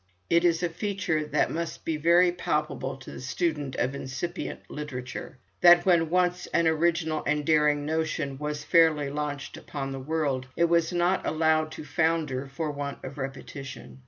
It is a feature that must be very palpable to the student of incipient literature, that when once an original and daring notion was fairly launched upon the world, it was not allowed to founder for want of repetition.